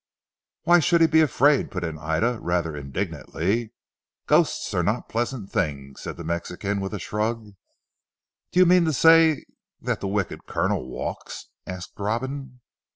"Why should he be afraid?" put in Ida rather indignantly. "Ghosts are not pleasant things," said the Mexican with a shrug. "Do you mean to say that the wicked Colonel walks?" asked Robin.